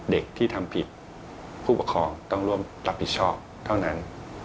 เด็กที่ทำผิดผู้ปกครองต้องร่วมรับผิดชอบเท่านั้น